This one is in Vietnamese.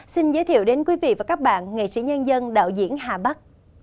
xin giới thiệu đến quý vị và các bạn nghệ sĩ nhân dân đạo diễn hà bắc